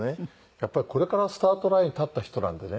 やっぱりこれからスタートラインに立った人なんでね。